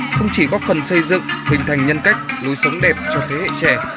không chỉ góp phần xây dựng hình thành nhân cách lối sống đẹp cho thế hệ trẻ